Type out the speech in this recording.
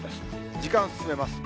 時間進めます。